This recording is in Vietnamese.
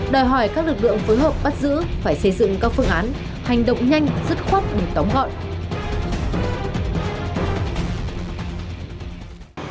đòi hỏi các lực lượng phối hợp bắt giữ phải xây dựng các phương án hành động nhanh rất khuất để tóng gọn